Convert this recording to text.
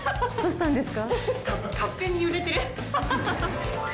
どうしたんですか？